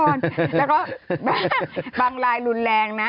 แล้วก็บางรายหลุนแรงนะ